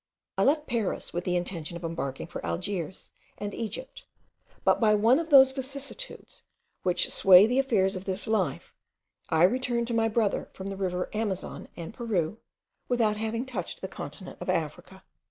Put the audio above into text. I left Paris with the intention of embarking for Algiers and Egypt; but by one of those vicissitudes which sway the affairs of this life, I returned to my brother from the river Amazon and Peru, without having touched the continent of Africa.